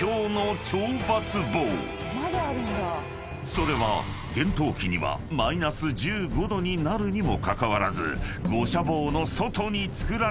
［それは厳冬期にはマイナス１５℃になるにもかかわらず］